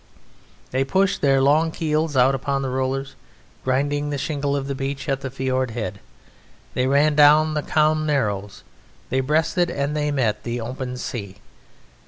They pushed their Long Keels out upon the rollers, grinding the shingle of the beach at the fjord head. They ran down the calm narrows, they breasted and they met the open sea.